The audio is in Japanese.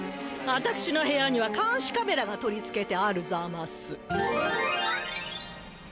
わたくしの部屋にはかんしカメラが取りつけてあるざます。